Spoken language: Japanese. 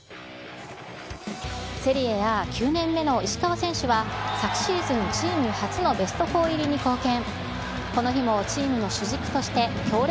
セリエＡ９年目の石川選手は、昨シーズンチーム初のベスト４入りに貢献。